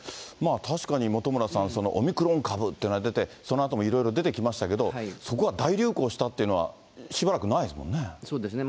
確かに本村さん、オミクロン株っていうのが出て、そのあともいろいろ出てきましたけど、そこは大流行したっていうのは、しばそうですね。